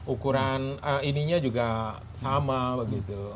ukuran ininya juga sama begitu